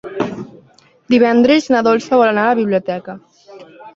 Divendres na Dolça vol anar a la biblioteca.